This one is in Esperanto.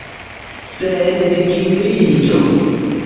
Sen registriĝo.